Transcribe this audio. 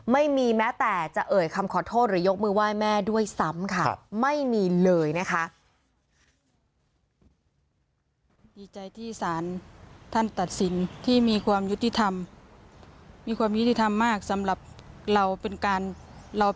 ไม่มีแม้แต่จะเอ่ยคำขอโทษหรือยกมือไหว้แม่ด้วยซ้ำค่ะไม่มีเลยนะคะ